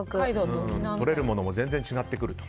とれるものも全然違ってくると。